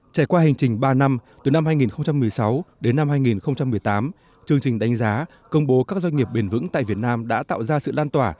trải qua hành trình ba năm từ năm hai nghìn một mươi sáu đến năm hai nghìn một mươi tám chương trình đánh giá công bố các doanh nghiệp bền vững tại việt nam đã tạo ra sự lan tỏa